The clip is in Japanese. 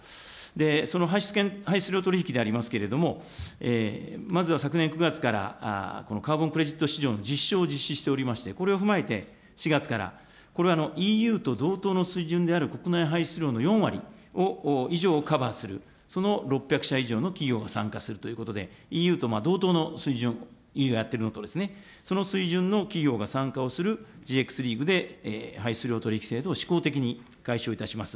その排出量取引でありますけれども、まずは昨年９月からこのカーボンクレジット市場の実証を実施しておりまして、これを踏まえて４月から、これはＥＵと同等の水準である国内排出量の４割以上をカバーする、その６００社以上の企業が参加するということで、ＥＵと同等の水準、ＥＵがやってるのとですね、その水準の企業が参加をするＧＸで排出権取引制度を試行的に開始をいたします。